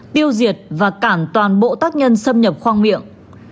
tiêu diệt và cản toàn bộ tác nhân xâm nhập khoang miệng